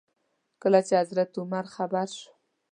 کله چې حضرت عمر خبر شو.